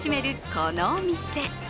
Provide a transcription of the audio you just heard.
このお店。